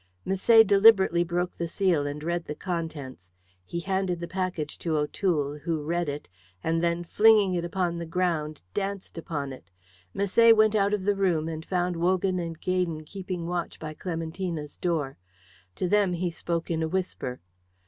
Misset deliberately broke the seal and read the contents. He handed the package to O'Toole, who read it, and then flinging it upon the ground danced upon it. Misset went out of the room and found Wogan and Gaydon keeping watch by Clementina's door. To them he spoke in a whisper.